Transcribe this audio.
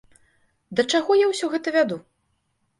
Да чаго я ўсё гэта вяду?